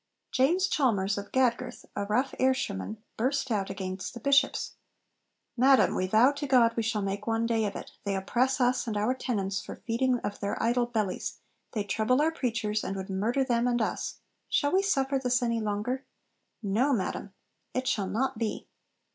James Chalmers of Gadgirth, a rough Ayrshireman, burst out against the Bishops '"Madam, we vow to God we shall make one day of it. They oppress us and our tenants for feeding of their idle bellies; they trouble our preachers, and would murder them and us: shall we suffer this any longer? No, madam, it shall not be."